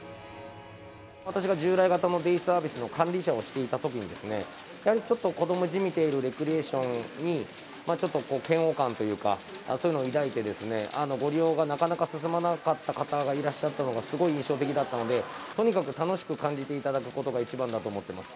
私が従来型のデイサービスの管理者をしていたときにですね、やはりちょっと子どもじみているレクリエーションに、ちょっと嫌悪感というか、そういうのを抱いてですね、ご利用がなかなか進まなかった方がいらっしゃったのがすごい印象的だったので、とにかく楽しく感じていただくことが一番だと思っています。